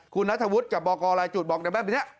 คุณรัฐวุธกับบอกออกรายจุดบอกแบบนี้